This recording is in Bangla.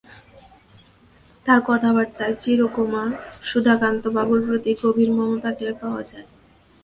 তাঁর কথাবার্তায় চিরকুমার সুধাকান্তবাবুর প্রতি গভীর মমতা টের পাওয়া যায়।